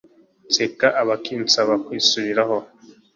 Nseka abakinsaba kwisubira